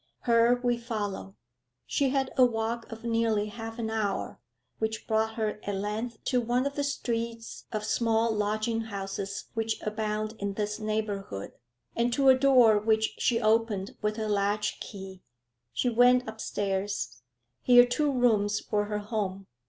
Her we follow. She had a walk of nearly half an hour, which brought her at length to one of the streets of small lodging houses which abound in this neighbourhood, and to a door which she opened with her latch key. She went upstairs. Here two rooms were her home.